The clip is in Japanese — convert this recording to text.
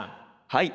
はい。